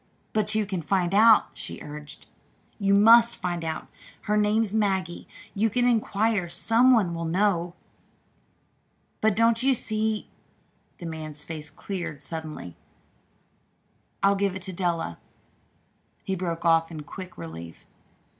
"But you can find out," she urged. "You must find out. Her name's Maggie. You can inquire some one will know." "But, don't you see " the man's face cleared suddenly. "I'll give it to Della," he broke off in quick relief.